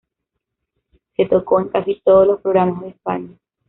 Se tocó en casi todos los programas de España.